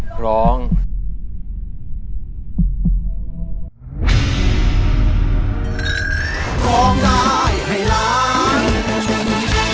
พร้อม